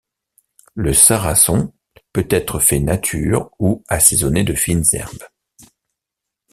Le sarasson peut être fait nature ou assaisonné de fines herbes.